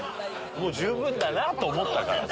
もう十分だなと思ったからさ。